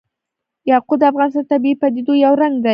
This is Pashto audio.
یاقوت د افغانستان د طبیعي پدیدو یو رنګ دی.